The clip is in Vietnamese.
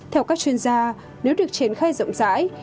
theo các chuyên gia nếu được triển khai rộng rãi